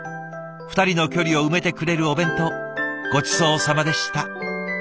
２人の距離を埋めてくれるお弁当ごちそうさまでした。